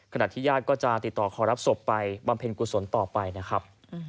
ญาติก็จะติดต่อขอรับศพไปบำเพ็ญกุศลต่อไปนะครับ